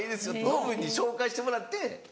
ノブに紹介してもらって。